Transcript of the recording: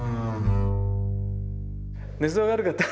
寝相が悪かった。